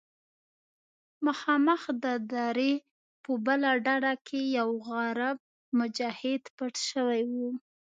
مخامخ د درې په بله ډډه کښې يو عرب مجاهد پټ سوى و.